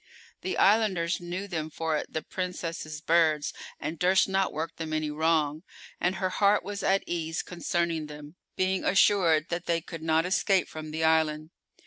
The islanders knew them for "The Princess's birds" and durst not work them any wrong; and her heart was at ease concerning them, being assured that they could not escape from the island.